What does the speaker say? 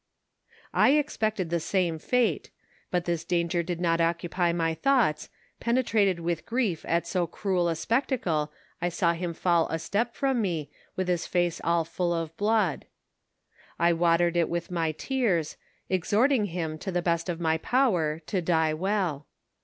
I expected the same fate, but this danger did not oc cupy my thoughts, penetrated with grief at so cruel a spec tacle, I saw him fall a step from me, with his face all full of blood ; I watered it with my tears, exhorting him, to the best of my power, to die well.